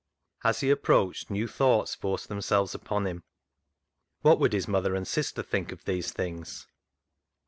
As he approached, new thoughts forced themselves upon him. What would his mother and sister think of these things